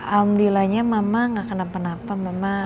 alhamdulillahnya mama gak kena penapa penapa